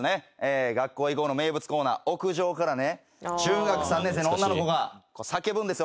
『学校へ行こう！』の名物コーナー屋上からね中学３年生の女の子が叫ぶんです。